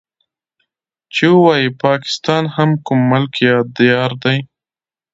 چې ووايي پاکستان هم کوم ملک يا ديار دی.